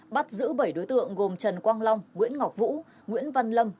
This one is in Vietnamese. bắt giữ bảy đối tượng gồm trần quang long nguyễn ngọc vũ nguyễn văn lâm